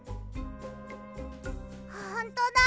ほんとだ！